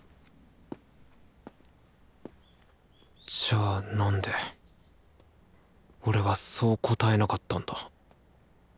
じゃあなんで俺はそう答えなかったんだ？